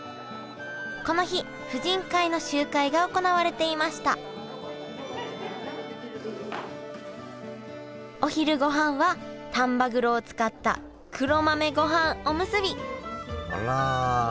この日婦人会の集会が行われていましたお昼ごはんは丹波黒を使った黒豆ごはんおむすびあら。